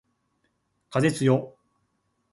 風つよ